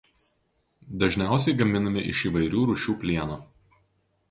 Dažniausiai gaminami iš įvairių rūšių plieno.